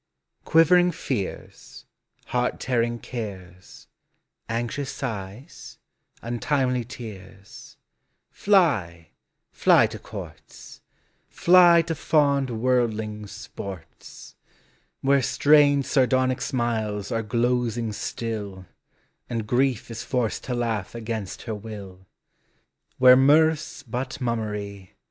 Quivering fears, heart tearing cares, Anxious sighs, untimely tears, Fly, fly to courts, Fly to fond worldlings' sports, Where strained sardonic smiles are glozing still, And grief is forced to laugh against her will, Where mirth 's but mummery.